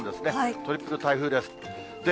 トリプル台風です。